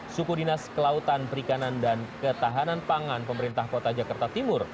suku dinas kelautan perikanan dan ketahanan pangan pemerintah kota jakarta timur